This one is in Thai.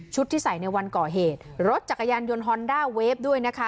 ที่ใส่ในวันก่อเหตุรถจักรยานยนต์ฮอนด้าเวฟด้วยนะคะ